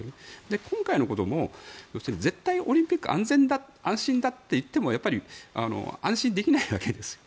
今回のことも絶対オリンピックは安全・安心だといっても安心できないわけですよ。